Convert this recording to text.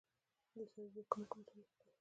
د سبزۍ دکان کوم طرف ته دی؟